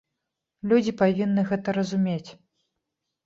Людзі павінны гэта разумець.